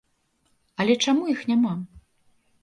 Але чаму іх няма?